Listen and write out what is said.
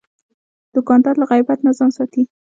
دوکاندار له غیبت نه ځان ساتي.